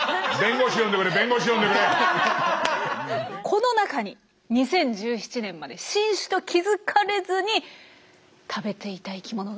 この中に２０１７年まで新種と気付かれずに食べていた生きものがいるんです。